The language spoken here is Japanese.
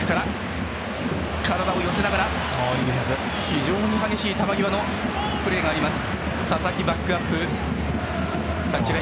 非常に激しい球際のプレーがあります。